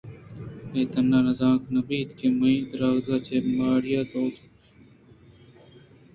اے تنیگا زانگ نہ بیت کہ مئے دارگ ءِ جاہ ماڑی ءِ توک بیت یاکہ اِداں